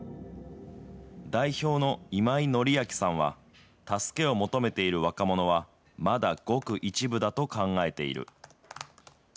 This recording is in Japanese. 代表の今井紀明さんは、助けを求めている若者はまだごく一部だと考えている。